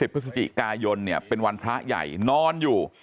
พฤศจิกายนเนี่ยเป็นวันพระใหญ่นอนอยู่